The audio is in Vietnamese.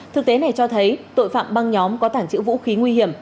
thực tế này cho thấy tội phạm băng nhóm có tàng trữ vũ khí nguy hiểm